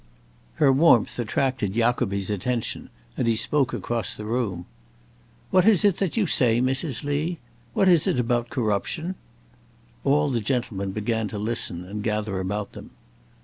Her warmth attracted Jacobi's attention, and he spoke across the room. "What is that you say, Mrs. Lee? What is it about corruption?" All the gentlemen began to listen and gather about them.